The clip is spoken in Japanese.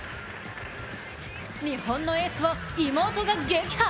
日本のエースを妹が撃破。